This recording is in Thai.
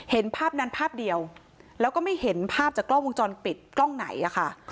เห็นภาพนั้นภาพเดียวแล้วก็ไม่เห็นภาพจากกล้องวงจรปิดกล้องไหนอะค่ะ